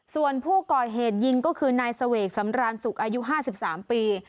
ส่วนผู้ก่อเหตุยิงก็คือนายเสวกสำรานสุขอายุ๕๓ปี